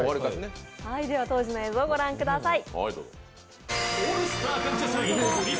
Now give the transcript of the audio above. では当時の映像をご覧ください。